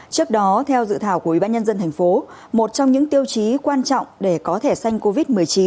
trước đó theo dự thảo của ủy ban nhân dân tp hcm một trong những tiêu chí quan trọng để có thẻ xanh covid một mươi chín